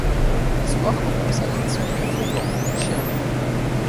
L'histoire commence à la naissance de Croc-Blanc, un chien-loup.